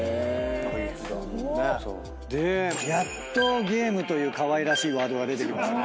やっとゲームというかわいらしいワードが出てきました。